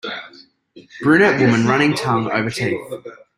Brunette woman running tongue over teeth.